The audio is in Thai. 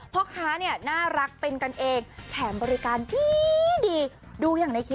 พ่อค้าเนี่ยน่ารักเป็นกันเองแถมบริการดีดีดูอย่างในคลิป